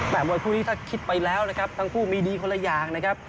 มวยคู่นี้ถ้าคิดไปแล้วนะครับทั้งคู่มีดีคนละอย่างนะครับ